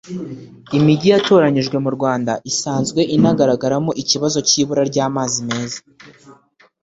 Imijyi yatoranyijwe mu Rwanda isanzwe inagaragamo ikibazo cy’ibura ry’amazi meza